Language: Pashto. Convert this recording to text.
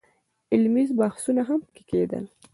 علمي بحثونه هم په کې کېدل.